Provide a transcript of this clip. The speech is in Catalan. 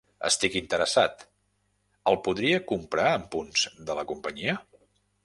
Estic interessat, el podria comprar amb punts de la companyia?